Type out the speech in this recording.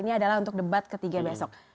ini adalah untuk debat ketiga besok